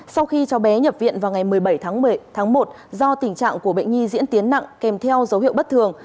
sau khi cháu bé nhập viện vào ngày một mươi bảy tháng một do tình trạng của bệnh nhi diễn tiến nặng kèm theo dấu hiệu bất thường